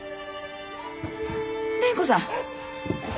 蓮子さん。